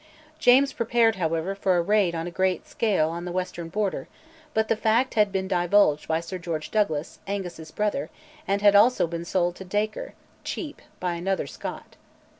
James prepared, however, for a raid on a great scale on the western Border, but the fact had been divulged by Sir George Douglas, Angus's brother, and had also been sold to Dacre, cheap, by another Scot.